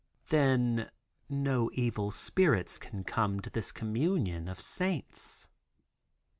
"Then no evil spirits can come to this communion of saints."